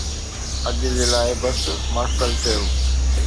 ”اڄ جي لاءِ بس،“ ماسٽر چيو.